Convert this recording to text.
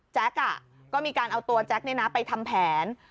แจ๊คก็มีการเอาตัวแจ๊คนี่นะไปทำแผน